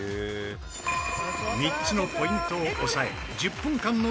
３つのポイントを押さえ。